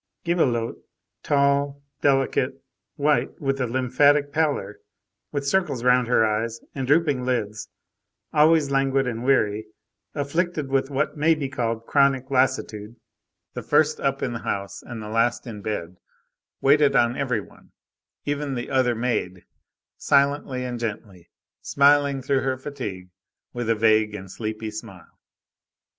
Gibelotte, tall, delicate, white with a lymphatic pallor, with circles round her eyes, and drooping lids, always languid and weary, afflicted with what may be called chronic lassitude, the first up in the house and the last in bed, waited on every one, even the other maid, silently and gently, smiling through her fatigue with a vague and sleepy smile.